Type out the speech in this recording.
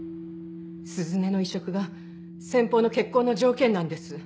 鈴音の移植が先方の結婚の条件なんです。